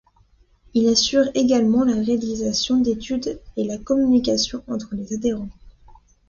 Il assure également la réalisation d'études et la communication entre les adhérents.